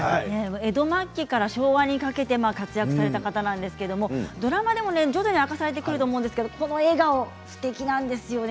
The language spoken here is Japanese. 江戸末期から昭和にかけて活躍された方でドラマでも徐々に明かされてくると思いますがこの笑顔すてきなんですよね。